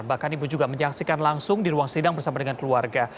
bahkan ibu juga menyaksikan langsung di ruang sidang bersama dengan keluarga